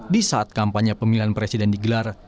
di saat kampanye pemilihan presiden digelar